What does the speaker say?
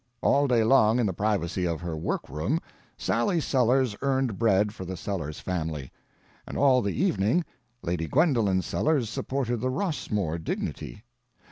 All day long in the privacy of her work room, Sally Sellers earned bread for the Sellers family; and all the evening Lady Gwendolen Sellers supported the Rossmore dignity.